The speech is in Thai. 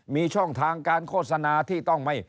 มีช่องทางการโฆษณาที่ต้องไม่